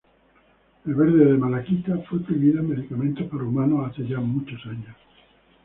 El verde de malaquita fue prohibido en medicamentos para humanos hace ya muchos años.